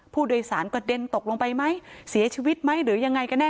ผู้โดยสารกระเด็นตกลงไปไหมเสียชีวิตไหมหรือยังไงกันแน่